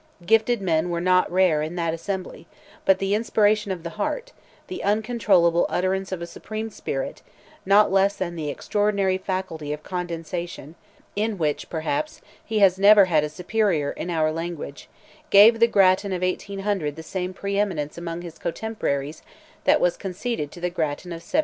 Gifted men were not rare in that assembly; but the inspiration of the heart, the uncontrollable utterance of a supreme spirit, not less than the extraordinary faculty of condensation, in which, perhaps, he has never had a superior in our language, gave the Grattan of 1800 the same pre eminence among his cotemporaries, that was conceded to the Grattan of 1782.